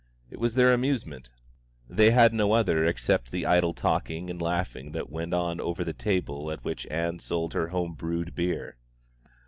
It was their amusement; they had no other except the idle talking and laughing that went on over the table at which Ann sold her home brewed beer.